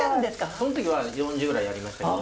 そん時は４０ぐらいありましたけど。